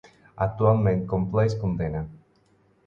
Actualment compleix condemna.